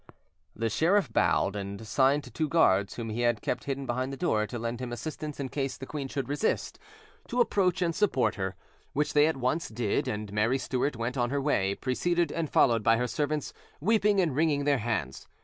The sheriff bowed, and signed to two guards whom he had kept hidden behind the door to lend him assistance in case the queen should resist, to approach and support her; which they at once did; and Mary Stuart went on her way, preceded and followed by her servants weeping and wringing their hands.